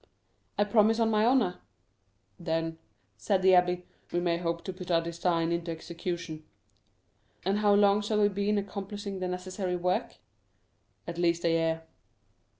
"I promise on my honor." "Then," said the abbé, "we may hope to put our design into execution." "And how long shall we be in accomplishing the necessary work?" "At least a year."